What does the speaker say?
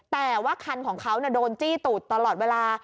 แต่ว่าคันของเขาโดนจี้ตูดตลอดเวลา